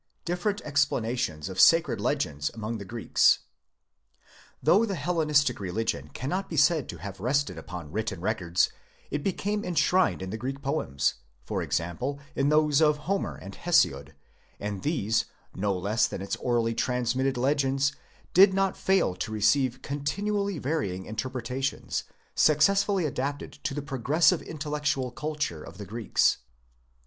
DIFFERENT EXPLANATIONS OF SACRED LEGENDS AMONG THE GREEKS. Though the Hellenistic religion cannot be said to have rested upon written records, it became enshrined in the Greek poems, for example, in those of Homer and Hesiod ; and these, no less than its orally transmitted legends, did 'not fail to receive continually varying interpretations, successively adapted to — the progressive intellectual culture of the Greeks.